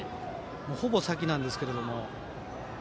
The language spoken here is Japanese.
ほぼ先なんですけれども。